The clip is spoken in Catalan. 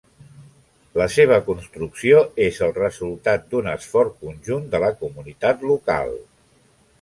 La seva construcció és el resultat d'un esforç conjunt de la comunitat local.